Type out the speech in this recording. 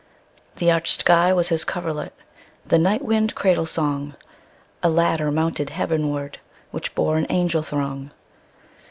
The arched sky was his coverlet, The night wind cradle song;A ladder mounted heavenwardWhich bore an angel throng.